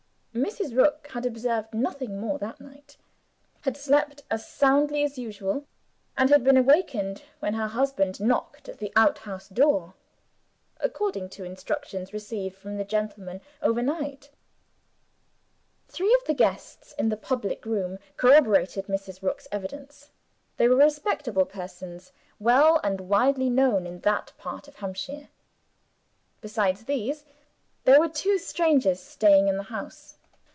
Mrs. Rook had observed nothing more that night; had slept as soundly as usual; and had been awakened when her husband knocked at the outhouse door, according to instructions received from the gentlemen, overnight. Three of the guests in the public room corroborated Mrs. Rook's evidence. They were respectable persons, well and widely known in that part of Hampshire. Besides these, there were two strangers staying in the house.